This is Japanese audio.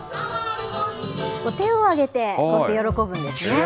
手をあげて、そして喜ぶんですね。